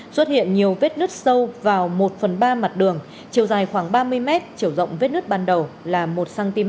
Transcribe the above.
xuất hiện nhiều vết nứt sâu vào một phần ba mặt đường chiều dài khoảng ba mươi mét chiều rộng vết nứt ban đầu là một cm